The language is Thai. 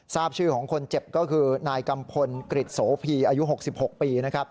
ทราบชื่อของคนเจ็บก็คือนายกำคลกฤษโสพีอายุ๖๖ปี